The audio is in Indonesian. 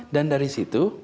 dan dari situ